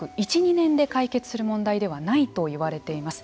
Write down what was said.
１２年で解決する問題ではないといわれています。